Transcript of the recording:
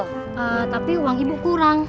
tapi uang ibu kurang